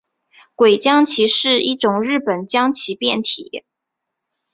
鬼将棋是一种日本将棋变体。